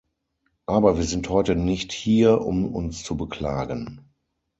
Aber wir sind heute nicht hier, um uns zu beklagen.